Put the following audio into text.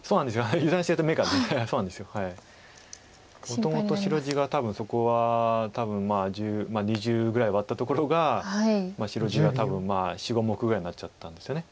もともと白地が多分そこはまあ２０ぐらいはあったところが白地が多分４５目ぐらいになっちゃったんですよね。